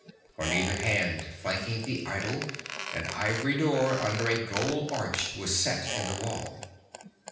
On either hand, flanking the idol, an ivory door under a gold arch was set in the wall.